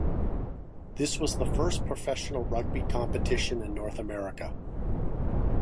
This was the first professional rugby competition in North America.